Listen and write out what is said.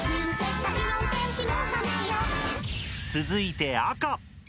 続いて赤！